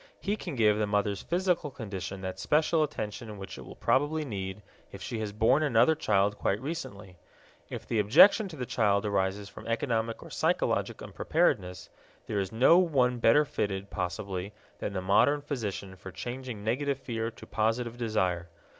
He can give the mother's physical condition that special attention which it will probably need if she has borne another child quite recently. If the objection to the child arises from economic or psychologic unpreparedness, there is no one better fitted, possibly, than the modern physician for changing negative fear to positive desire.